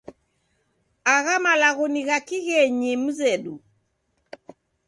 Agha malagho ni gha kighenyi mzedu.